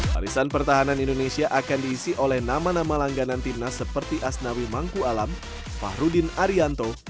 barisan pertahanan indonesia akan diisi oleh nama nama langganan timnas seperti asnawi mangku alam fahrudin arianto